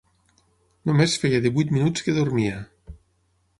Només feia divuit minuts que dormia.